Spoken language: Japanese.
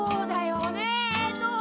えっと。